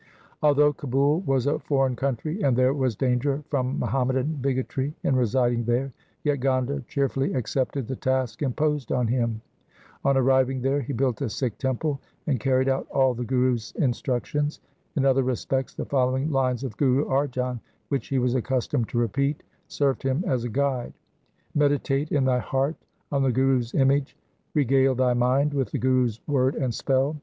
Although Kabul was a foreign country and there was danger from Muhammadan bigotry in residing there, yet Gonda cheerfully accepted the task imposed on him. On arriving there he built a Sikh temple and carried out all the Guru's instructions. In other respects the following lines of Guru Arjan, which he was accustomed to repeat, served him as a guide :— Meditate in thy heart on the Guru's image ; Regale thy mind with the Guru's word and spell.